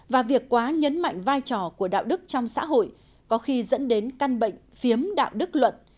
và việc quá nhấn mạnh vai trò của đạo đức trong xã hội có khi dẫn đến căn bệnh phiếm đạo đức luật